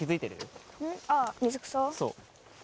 そう。